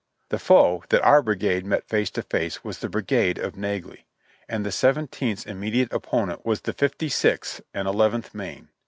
The foe that our brigade met face to face was the brigade of Naglee, and the Seventeenth's immediate opponent was the Fifty sixth and Eleventh Maine.